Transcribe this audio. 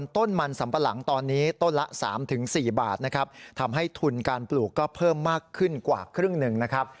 ทำให้ทุนการปลูกก็เพิ่มมากขึ้นกว่าครึ่งหนึ่งนะครับ